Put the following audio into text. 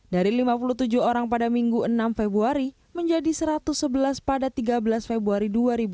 dari lima puluh tujuh orang pada minggu enam februari menjadi satu ratus sebelas pada tiga belas februari dua ribu dua puluh